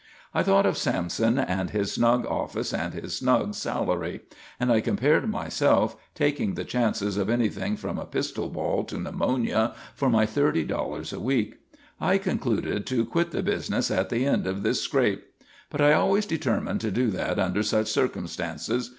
I thought of Sampson and his snug office and his snug salary; and I compared myself, taking the chances of anything from a pistol ball to pneumonia for my thirty dollars a week. I concluded to quit the business at the end of this scrape. But I always determined to do that under such circumstances.